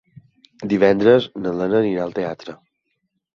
Divendres na Lena anirà al teatre.